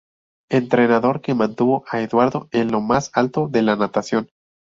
Entrenador que mantuvo a Eduardo en lo más alto de la natación.